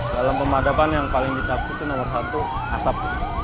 dalam pemadaban yang paling ditakuti nomor satu asap